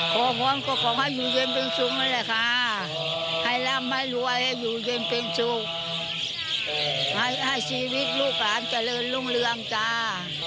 ขอห่วงก็ขอให้อยู่เย็นเป็นสุขนั่นแหละค่ะให้ร่ำให้รวยอยู่เย็นเป็นสุขให้ชีวิตลูกหลานเจริญรุ่งเรืองจ้า